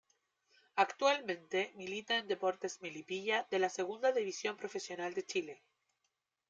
Actualmente milita en Deportes Melipilla de la Segunda División Profesional de Chile.